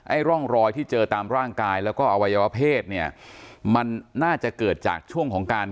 ร่องรอยที่เจอตามร่างกายแล้วก็อวัยวะเพศเนี่ยมันน่าจะเกิดจากช่วงของการ